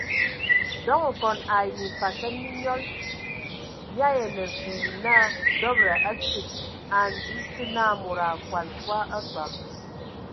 Ndɔŋ okɔn ai mimfasɛn mi nyɔl mi ayaan asu yə naa dɔbəda a tsig ai ndi esə na mod a akɔn fwa atɔm.